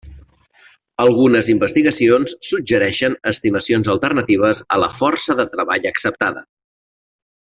Algunes investigacions suggereixen estimacions alternatives a la força de treball acceptada.